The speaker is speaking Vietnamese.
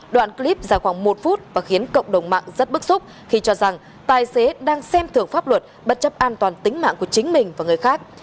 đoạn clip dài khoảng một phút và khiến cộng đồng mạng rất bức xúc khi cho rằng tài xế đang xem thưởng pháp luật bất chấp an toàn tính mạng của chính mình và người khác